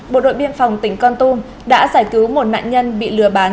bộ đội biên phòng tỉnh con tum đã giải cứu một nạn nhân bị lừa bán